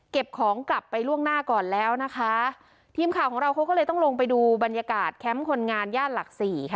ของกลับไปล่วงหน้าก่อนแล้วนะคะทีมข่าวของเราเขาก็เลยต้องลงไปดูบรรยากาศแคมป์คนงานย่านหลักสี่ค่ะ